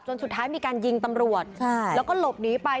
สุดท้ายมีการยิงตำรวจแล้วก็หลบหนีไป